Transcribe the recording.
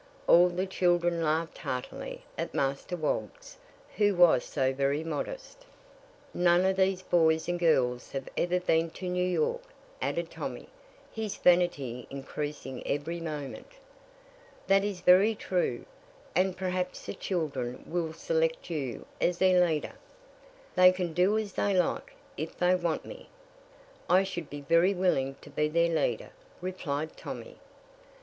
All the children laughed heartily at Master Woggs, who was so very modest! "None of these boys and girls have ever been to New York," added Tommy, his vanity increasing every moment. "That is very true; and perhaps the children will select you as their leader." "They can do as they like. If they want me, I should be very willing to be their leader," replied Tommy.